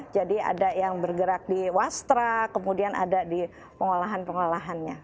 jadi ada yang bergerak di wastra kemudian ada di pengelolaan pengelolaannya